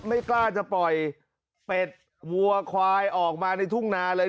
ไม่กล้าจะปล่อยเป็ดวัวควายออกมาในทุ่งนาเลย